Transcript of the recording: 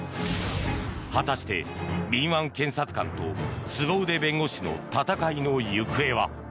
果たして敏腕検察官とすご腕弁護士の戦いの行方は。